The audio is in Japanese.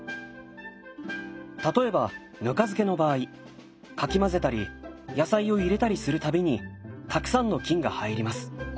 例えばぬか漬けの場合かき混ぜたり野菜を入れたりするたびにたくさんの菌が入ります。